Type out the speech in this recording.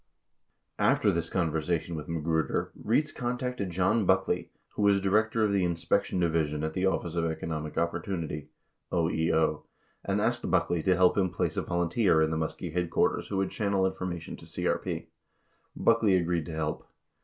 13 After this conversation with Magruder, Rietz contacted John Buck ley, who was director of the inspection division at the Office of Eco nomic Opportunity (OEO) and asked Buckley to help him place a volunteer m the Muskie headquarters who would channel information to CRP. Buckley agreed to help.